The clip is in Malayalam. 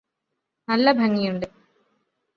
നല്ല ഭംഗിയുണ്ട്